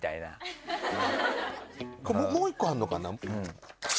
もう１個あるのかな。